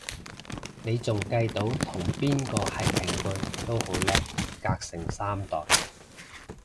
你仲計到同邊個係平輩都好叻，隔成三代